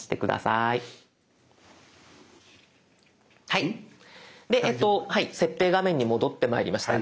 はいで設定画面に戻ってまいりました。